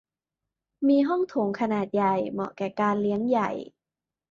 มีห้องโถงขนาดใหญ่ เหมาะแก่การเลี้ยงใหญ่